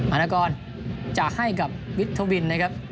อาณากรจะให้กับวิทยาวินทร์นะครับ